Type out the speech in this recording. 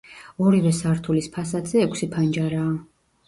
ორივე სართულის ფასადზე ექვსი ფანჯარაა.